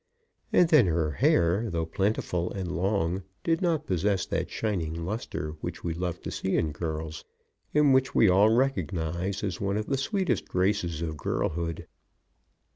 And then her hair, though plentiful and long, did not possess that shining lustre which we love to see in girls, and which we all recognise as one of the sweetest graces of girlhood.